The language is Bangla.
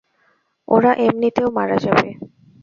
ওরা এমনিতেও মারা যাবে।